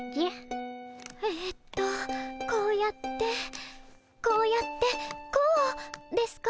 ええとこうやってこうやってこうですか？